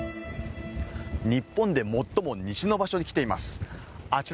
日本で最も西の場所に来ています。